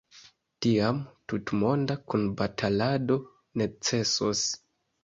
Tiam tutmonda kunbatalado necesos.